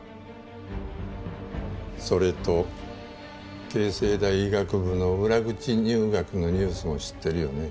それと慶西大医学部の裏口入学のニュースも知ってるよね？